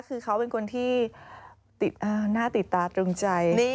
คือเขาเป็นคนที่หน้าติดตาตรงใจ